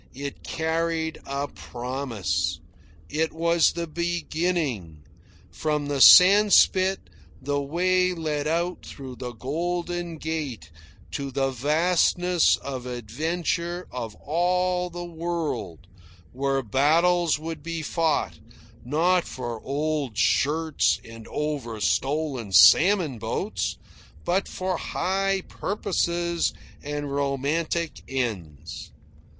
It carried a promise. It was the beginning. From the sandspit the way led out through the Golden Gate to the vastness of adventure of all the world, where battles would be fought, not for old shirts and over stolen salmon boats, but for high purposes and romantic ends.